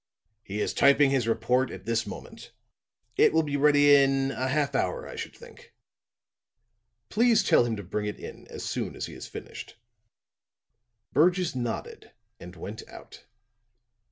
"He is typing his report at this moment. It will be ready in a half hour, I should think." "Please tell him to bring it in as soon as it is finished." Burgess nodded and went out.